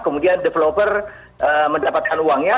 kemudian developer mendapatkan uangnya